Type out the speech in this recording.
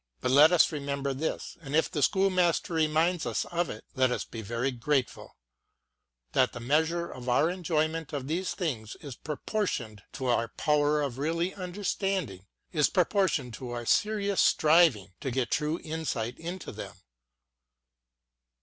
But let us remember this — and if the schoolmaster reminds us of it, let us be very grateful — that the measure of our enjoyment of these things is proportioned to our power of really understanding, is proportioned to our serious striving to get true insight into them.